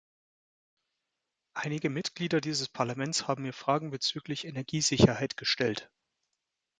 Einige Mitglieder dieses Parlaments haben mir Fragen bezüglich Energiesicherheit gestellt.